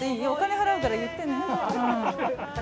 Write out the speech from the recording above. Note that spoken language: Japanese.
お金払うから言ってね。